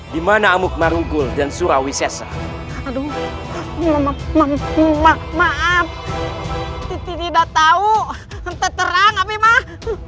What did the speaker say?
di mana amuk marugul dan surawi seser aduh mama mama maaf tidak tahu ntar terang api mah